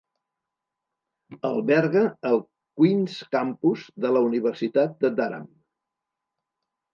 Alberga el Queen's Campus de la Universitat de Durham.